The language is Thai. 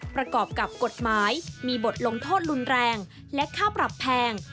ประกอบกับกฎหมายมีบทลงโทษรุนแรงและค่าปรับแพง